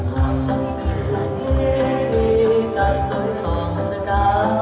หลังเพลงนี้มีจักษุส่องสกัด